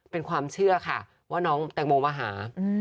เป็นความเชื่อค่ะว่าน้องแตงโมมาหา